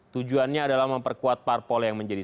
tujuannya adalah memperkuat parpol yang menjadi